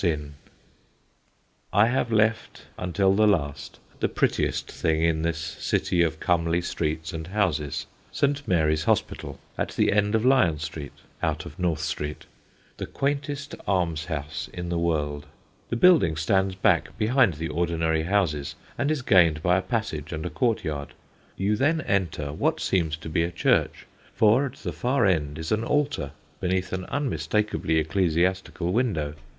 [Sidenote: THE PERFECT ALMSHOUSE] I have left until the last the prettiest thing in this city of comely streets and houses St. Mary's Hospital, at the end of Lion Street (out of North Street): the quaintest almshouse in the world. The building stands back, behind the ordinary houses, and is gained by a passage and a courtyard. You then enter what seems to be a church, for at the far end is an altar beneath an unmistakably ecclesiastical window.